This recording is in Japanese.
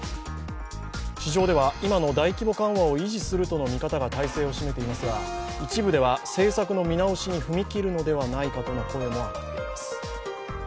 市場では今の大規模緩和を維持するとの見方が大勢を占めていてますが、一部では、政策の見直しに踏み切るのではないかとの声も上がっています。